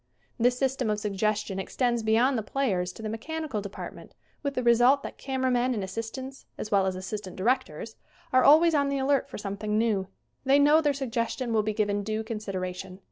This system of suggestion extends beyond the players to the mechanical department with the result that camera men and assistants, as well as assistant directors, are always on the alert for something new. They know their suggestion will be given due consideration.